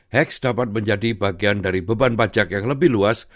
hax dapat menjadi bagian dari beban pajak yang lebih luas